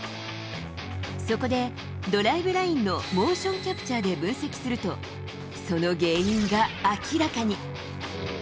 そこで、ドライブラインのモーションキャプチャーで分析すると、その原因が明らかに。